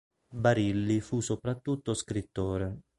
Barilli fu soprattutto scrittore.